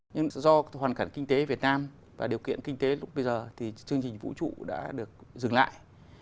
nhưng do hoàn cảnh kinh tế việt nam và điều kiện kinh tế lúc bây giờ thì chương trình vũ trụ đã được dừng lại